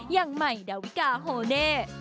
ยังใหม่จะวิกาโฮเนฮุ